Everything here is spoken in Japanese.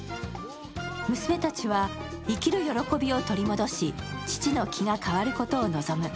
娘たちは生きる喜びを取り戻し、父の気が変わることを望む。